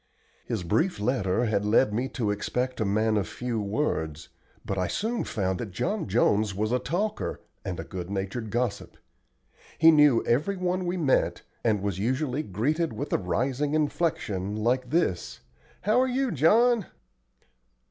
His brief letter had led me to expect a man of few words, but I soon found that John Jones was a talker and a good natured gossip. He knew every one we met, and was usually greeted with a rising inflection, like this, "How are you, John?"